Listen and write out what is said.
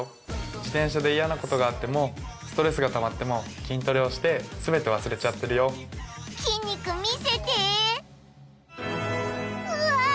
自転車で嫌なことがあってもストレスがたまっても筋トレをして全て忘れちゃってるよ筋肉見せてうわ